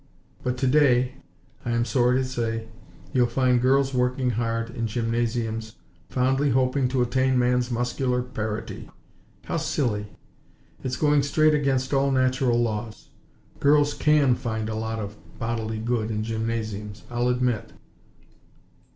But today, I am sorry to say, you'll find girls working hard, in gymnasiums, fondly hoping to attain man's muscular parity. How silly!! It's going straight against all natural laws. Girls can find a lot of bodily good in gymnasiums, I'll admit!